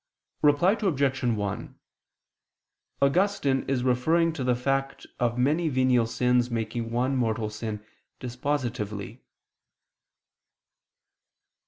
Reply Obj. 1: Augustine is referring to the fact of many venial sins making one mortal sin dispositively.